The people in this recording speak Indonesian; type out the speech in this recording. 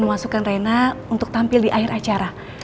memasukkan rena untuk tampil di akhir acara